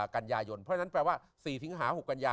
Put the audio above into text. กัญญายนเพราะฉะนั้นแปลว่า๔๖กัญญา